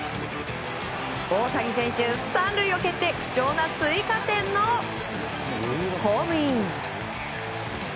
大谷選手、３塁を蹴って貴重な追加点のホームイン！